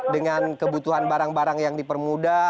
dengan kebutuhan barang barang yang dipermudah